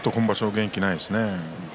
元気がないですね。